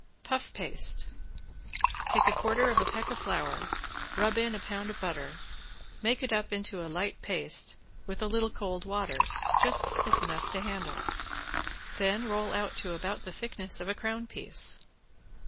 ~PUFF PASTE~ Take a quarter of a peck of flour, rub in a pound of butter, make it up into a light paste with a little cold waters, just stiff enough to handle; then roll out to about the thickness of a crown piece.